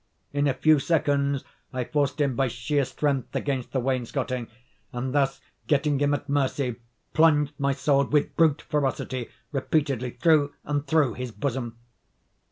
In a few seconds I forced him by sheer strength against the wainscoting, and thus, getting him at mercy, plunged my sword, with brute ferocity, repeatedly through and through his bosom.